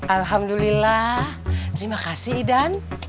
alhamdulillah terima kasih idan